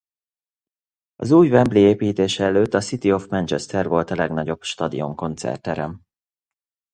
Az új Wembley építése előtt a City of Manchester volt a legnagyobb stadion-koncertterem.